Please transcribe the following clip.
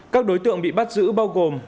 các đối tượng bị bắt giữ bao gồm